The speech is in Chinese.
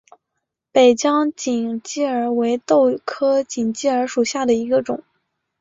北疆锦鸡儿为豆科锦鸡儿属下的一个种。